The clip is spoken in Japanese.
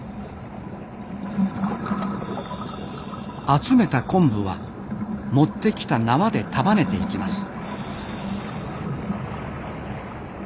集めた昆布は持ってきた縄で束ねていきます。